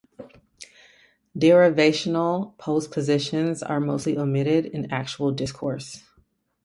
Derivational postpositions are mostly omitted in actual discourse.